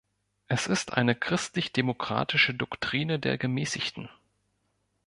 Es ist eine christlich-demokratische Doktrine der Gemäßigten.